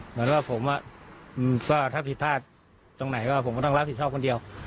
เหมือนว่าผมก็ถ้าผิดพลาดตรงไหนก็ผมก็ต้องรับผิดชอบคนเดียว